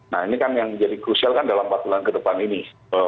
nah ini kan yang menjadi krusial kan dalam empat bulan ke depan ini